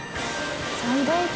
最大級！？